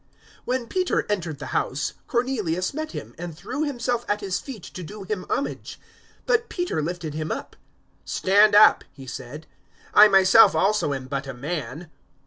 010:025 When Peter entered the house, Cornelius met him, and threw himself at his feet to do him homage. 010:026 But Peter lifted him up. "Stand up," he said; "I myself also am but a man."